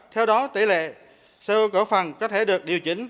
theo đó tỷ lệ sở hữu cổ phần có thể được điều chỉnh